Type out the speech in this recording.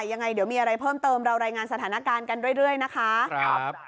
ยังไงเดี๋ยวมีอะไรเพิ่มเติมเรารายงานสถานการณ์กันเรื่อยนะคะ